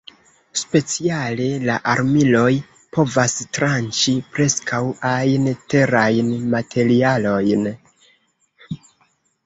Speciale la armiloj povas tranĉi preskaŭ ajn terajn materialojn.